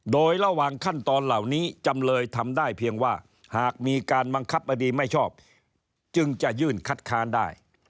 โดยระหว่างขั้นตอนเหล่านี้จำเลยทำได้เพียงว่าหากมีการบังคับบดีไม่ชอบจึงจะยื่นคัดค้านได้